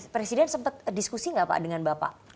presiden sempat diskusi nggak pak dengan bapak